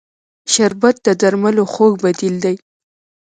شربت د درملو خوږ بدیل دی